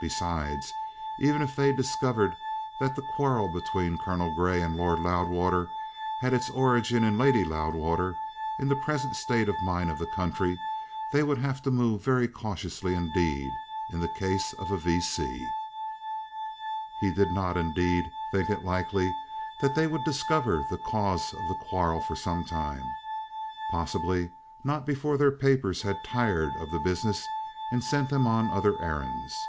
Besides, even if they discovered that the quarrel between Colonel Grey and Lord Loudwater had its origin in Lady Loudwater, in the present state of mind of the country, they would have to move very cautiously indeed in the case of a V.C. He did not, indeed, think it likely that they would discover the cause of the quarrel for some time possibly not before their papers had tired of the business and sent them on other errands.